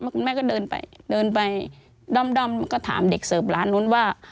คุณแม่ก็เดินไปเดินไปด้อมก็ถามเด็กเสิร์ฟร้านนู้นว่า